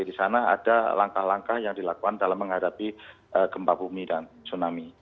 di sana ada langkah langkah yang dilakukan dalam menghadapi gempa bumi dan tsunami